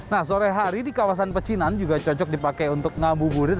nah sore hari di kawasan pecinan juga cocok dipakai untuk ngabuburit